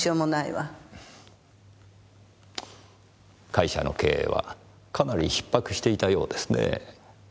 会社の経営はかなりひっ迫していたようですねぇ。